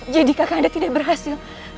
jadi kak kandang tidak berhasil